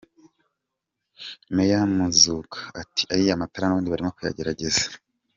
Meya Muzuka ati “ariya matara n’ubundi barimo kuyagerageza.